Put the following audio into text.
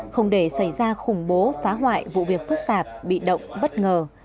không để xảy ra khủng bố phá hoại vụ việc phức tạp bị động bất ngờ